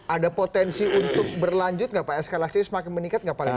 ada potensi untuk berlanjut nggak pak eskalasinya semakin meningkat nggak pak